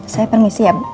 saya permisi ya bu